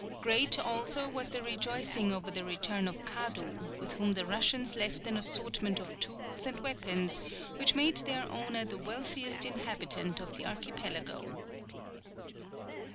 Great also was the rejoicing over the return of Kadu, with whom the Russians left an assortment of tools and weapons, which made their owner the wealthiest inhabitant of the archipelago.